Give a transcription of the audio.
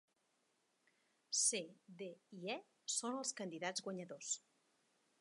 C, D i E són els candidats guanyadors.